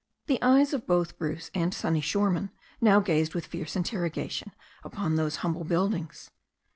The eyes of both Bruce and Sonny Shoreman now gazed with fierce interrogation upon those humble buildings.